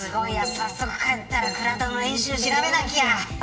早速帰ったら倉田の年収調べなきゃ。